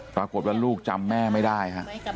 ปรากฏว่าลูกจำแม่ไม่ได้ฮะ